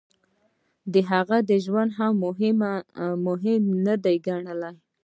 د هغه ژوند مو هم مهم نه دی ګڼلی.